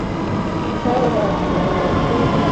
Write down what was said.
cyabakingiraga ubushyuhe bwinshi